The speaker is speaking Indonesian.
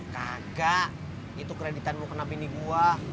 kagak itu kreditanmu kena bini gua